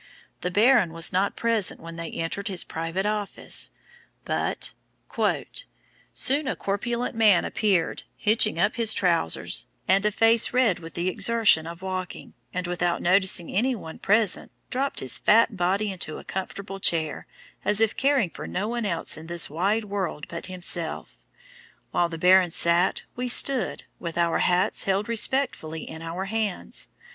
The Baron was not present when they entered his private office, but "soon a corpulent man appeared, hitching up his trousers, and a face red with the exertion of walking, and without noticing anyone present, dropped his fat body into a comfortable chair, as if caring for no one else in this wide world but himself. While the Baron sat, we stood, with our hats held respectfully in our hands.